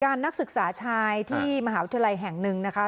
นักศึกษาชายที่มหาวิทยาลัยแห่งหนึ่งนะคะ